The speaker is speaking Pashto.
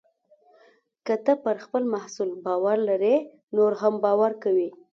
که ته پر خپل محصول باور لرې، نور هم باور کوي.